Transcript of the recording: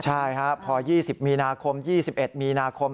ใช่ครับพอ๒๐มีนาคม๒๑มีนาคม